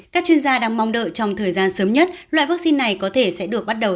một mươi các chuyên gia đang mong đợi trong thời gian sớm nhất loại vắc xin này có thể sẽ được bắt đầu